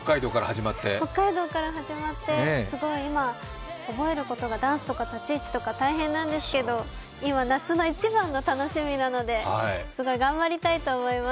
北海道から始まって、すごい今、覚えることがダンスとか立ち位置とか大変なんですけど、今、夏の一番の楽しみなのですごい頑張りたいと思います。